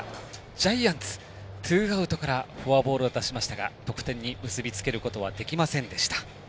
ジャイアンツツーアウトからフォアボールを出しましたが得点に結び付けることはできませんでした。